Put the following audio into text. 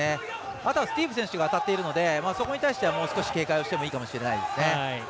あとはスティーブ選手が当たっているのでもう少し警戒をしてもいいかもしれないですね。